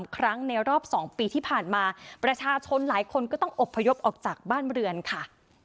ครั้งในรอบ๒ปีที่ผ่านมาประชาชนหลายคนก็ต้องอบพยพออกจากบ้านเรือนค่ะ